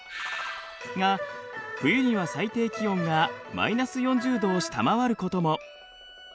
が冬には最低気温がマイナス４０度を下回ることも。